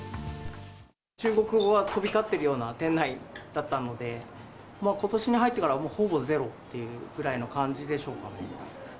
中国語が飛び交っているような店内だったので、ことしに入ってからほぼゼロっていうぐらいの感じでしょうかね。